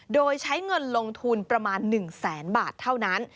โดยใช้เงินลงทุนประมาณ๑แสนบาทเท่านั้น